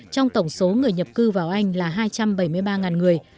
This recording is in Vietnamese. trong tổng số người nhập cư vào anh là hai trăm bảy mươi ba người